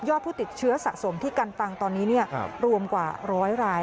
ผู้ติดเชื้อสะสมที่กันตังตอนนี้รวมกว่าร้อยราย